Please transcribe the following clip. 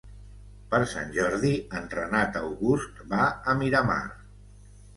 Per Sant Jordi en Renat August va a Miramar.